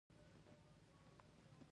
بامیان د افغان ښځو په ژوند کې رول لري.